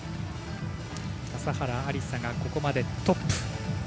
笠原有彩がここまでトップ。